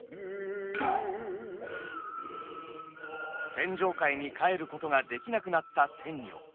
天上界に帰ることができなくなった天女。